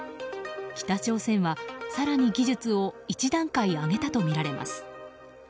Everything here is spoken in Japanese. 北朝鮮は更に技術を１段階上げたとみられます。